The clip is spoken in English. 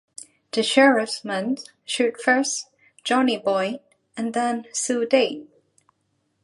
The sheriff's men shoot first Johnny-Boy and then Sue dead.